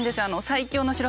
「最強の城」